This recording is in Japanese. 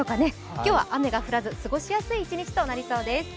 今日は雨が降らず、過ごしやすい一日となりそうです。